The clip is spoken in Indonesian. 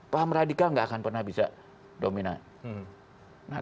paham radikal nggak akan pernah bisa dominan